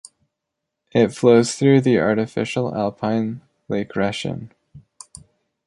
It flows through the artificial alpine Lake Reschen.